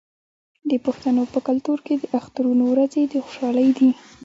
د پښتنو په کلتور کې د اخترونو ورځې د خوشحالۍ دي.